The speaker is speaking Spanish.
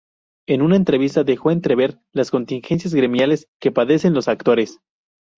En una entrevista dejó entrever las contingencias gremiales que padecen los actores.